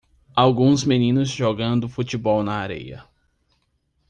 Alguns meninos jogando futebol na areia